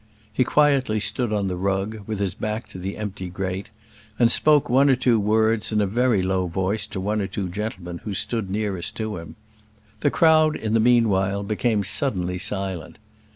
He quietly stood on the rug, with his back to the empty grate, and spoke one or two words in a very low voice to one or two gentlemen who stood nearest to him. The crowd, in the meanwhile, became suddenly silent.